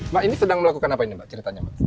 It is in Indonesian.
mbak ini sedang melakukan apa ini mbak ceritanya mbak